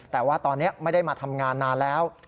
แต่ว่าตอนนี้ไม่ได้มาทำงานนานแล้ว